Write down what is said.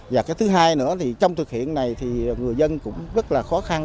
và cái thứ hai nữa thì trong thực hiện này thì người dân cũng rất là khó khăn